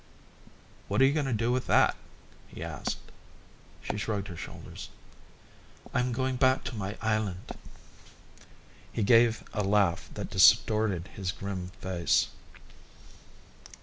"What are you going to do with that?" he asked. She shrugged her shoulders. "I'm going back to my island." He gave a laugh that distorted his grim face.